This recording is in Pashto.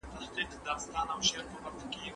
دا خبره د کتابونو په پاڼو کې نشته.